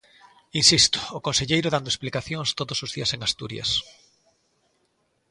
Insisto, o conselleiro dando explicacións todos os días en Asturias.